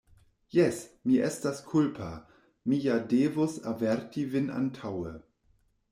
Jes, mi estas kulpa; mi ja devus averti vin antaŭe.